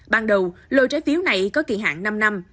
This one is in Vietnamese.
ban đầu lôi trái phiếu này có kỳ hạn năm năm